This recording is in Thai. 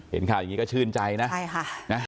เห็นข่าวอย่างนี้ก็ชื่นใจนะใช่ค่ะนะ